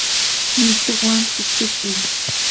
mituwan pichukuy.